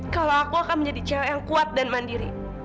kalau aku akan menjadi cewek yang kuat dan mandiri